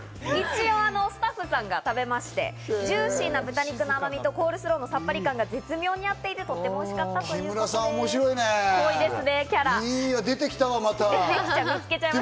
一応スタッフさんが食べまして、ジューシーな豚肉の甘みと、コールスローのさっぱり感が絶妙に合っている、とてもおいしかったということです。